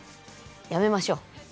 やめましょう。